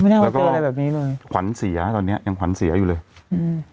ไม่ได้ว่าเจออะไรแบบนี้เลยแล้วก็ขวัญเสียตอนเนี้ยยังขวัญเสียอยู่เลยอืม